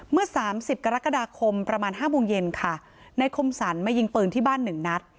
เมื่อสามสิบกรกฎาคมประมาณห้าโมงเย็นค่ะนายคมสรรมายิงปืนที่บ้านหนึ่งนัด